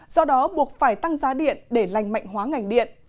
do đó buộc phải tăng giá điện để lành mạnh hóa ngành điện